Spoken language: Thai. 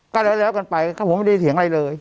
ก็แล้วกันไปก็ผมไม่ได้เถียงอะไรเลย